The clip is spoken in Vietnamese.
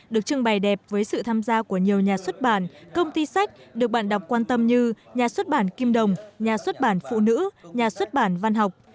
được trưng bày đẹp với sự tham gia của nhiều nhà xuất bản công ty sách được bạn đọc quan tâm như nhà xuất bản kim đồng nhà xuất bản phụ nữ nhà xuất bản văn học